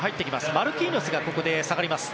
マルキーニョスが下がります。